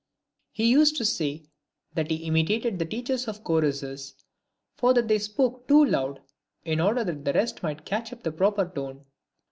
He used to say, that he imitated the teachers of choruses, for that they spoke too loud, in order that the rest might catch the proper tone.